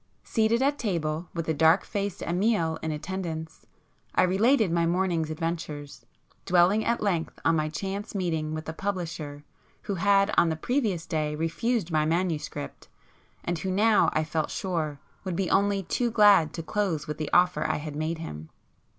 Seated at table with the dark faced Amiel in attendance, I related my morning's adventures, dwelling at length on my chance meeting with the publisher who had on the previous day refused my manuscript, and who now, I felt sure, would be only too glad to close with the offer I had made him.